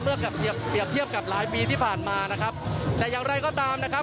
เมื่อกับเกี่ยวเกี่ยวกับหลายปีที่ผ่านมานะครับแต่อย่างไรก็ตามนะครับ